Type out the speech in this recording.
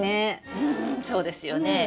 うんそうですよね。